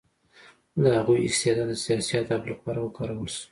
د هغوی استعداد د سیاسي اهدافو لپاره وکارول شو